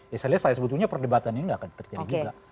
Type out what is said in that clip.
ya saya lihat saya sebetulnya perdebatan ini nggak akan terjadi juga